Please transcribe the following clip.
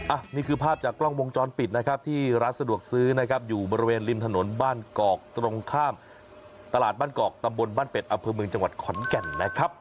อ่ะนี่คือภาพจากกล้องวงจรปิดที่รัสสะดวกซื้ออยู่ตรงข้ามบริเวณริมถนนบรรกอกตรงข้ามตลาดบรรกอกตำบลบรรปฤศอภเมื่องจังหวัดขอนแก่นนะครับ